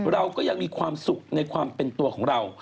เราก็ยังมีความสุขในความเป็นตัวของเรา